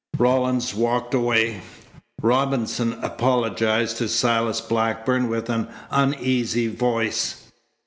Rawlins walked away. Robinson apologized to Silas Blackburn with an uneasy voice.